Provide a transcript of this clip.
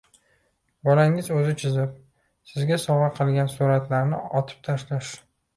Bolangiz o‘zi chizib, sizga sovg‘a qilgan suratlarini otib tashlash!